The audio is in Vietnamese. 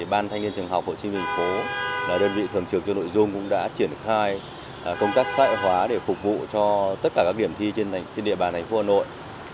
ban thanh niên trường học hồ chí minh phố là đơn vị thường trường cho nội dung cũng đã triển khai công tác xã hội hóa để phục vụ cho tất cả các điểm thi trên địa bàn thành phố hà nội